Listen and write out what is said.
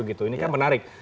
ini kan menarik